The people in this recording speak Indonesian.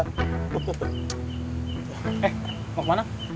eh mau kemana